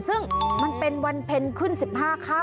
ซึ่งมันเป็นวันเพลินขึ้น๑๕ครั้ง